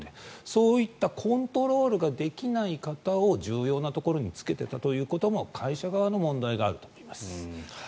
そういったコントロールができない方を重要なところに就けていたということも会社側に問題があると思います。